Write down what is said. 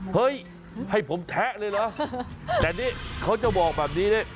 เฮ้ยให้ผมแทะเละเลยเหรอแต่นี่เขาจะบอกแบบนี้เลย